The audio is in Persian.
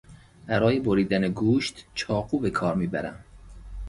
برای بریدن گوشت چاقو به کار میبرم.